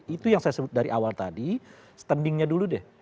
itu yang saya sebut dari awal tadi standingnya dulu deh